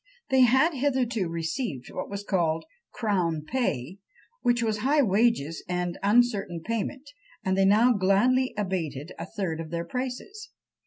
They had hitherto received what was called "crown pay," which was high wages and uncertain payment and they now gladly abated a third of their prices.